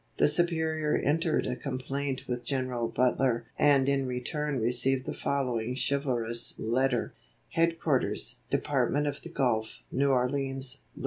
The Superior entered a complaint with General Butler and in return received the following chivalrous letter: "Headquarters Department of the Gulf, New Orleans, La.